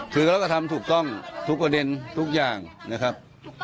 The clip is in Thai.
คือเราก็ทำถูกต้องทุกประเด็นทุกอย่างนะครับ